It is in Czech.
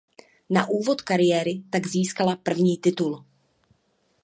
Na úvod kariéry tak získala první titul.